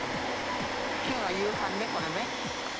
きょうは夕飯ね、これね。